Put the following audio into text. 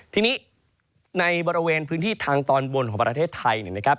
ทีนี้ในบริเวณพื้นที่ทางตอนบนของประเทศไทยเนี่ยนะครับ